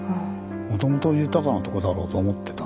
もともと豊かなとこだろうと思ってた。